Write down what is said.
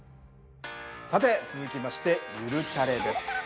さて続きまして「ゆるチャレ」です。